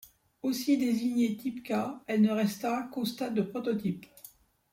Aussi désignée Type-K, elle ne resta qu'au stade de prototype.